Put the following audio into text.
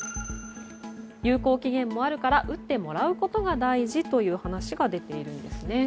有効期限もあるから打ってもらうことが大事という話が出ているんですね。